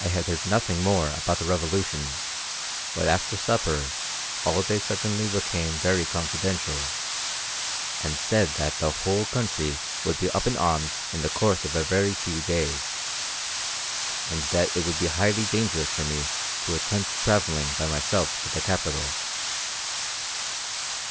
I had heard nothing more about the revolution, but after supper Alday suddenly became very confidential, and said that the whole country would be up in arms in the course of a very few days, and that it would be highly dangerous for me to attempt travelling by myself to the capital.